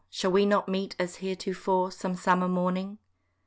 Shall we not meet as heretofore Some summer morning?